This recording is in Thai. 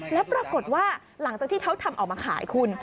แล้วปรากฏว่าหลังจากที่เขาทำออกมาขายคุณ